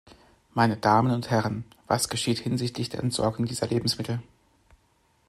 Meine Damen und Herren! Was geschieht hinsichtlich der Entsorgung dieser Lebensmittel?